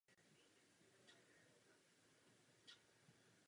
Na téže fakultě absolvoval i postgraduální studium pod vedením prof. Ladislava Tichého.